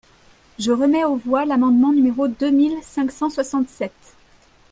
Je mets aux voix l’amendement numéro deux mille cinq cent soixante-sept.